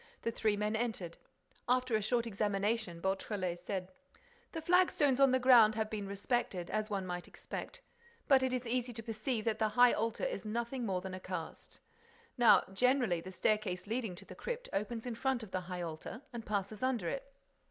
The three men entered. After a short examination Beautrelet said: "The flag stones on the ground have been respected, as one might expect. But it is easy to perceive that the high altar is nothing more than a cast. Now, generally, the staircase leading to the crypt opens in front of the high altar and passes under it."